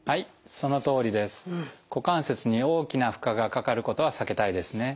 股関節に大きな負荷がかかることは避けたいですね。